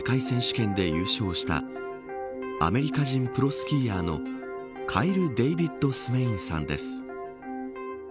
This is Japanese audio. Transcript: ２０１５年フリースタイルスキーの世界選手権で優勝したアメリカ人プロスキーヤーのカイル・デイビッド・スメインさんです。